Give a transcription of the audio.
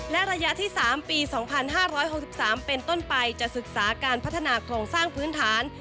และระยะที่๓ปี๒๕๖๓เป็นต้นไปจะศึกษาการพัฒนาโครงสร้างพื้นฐาน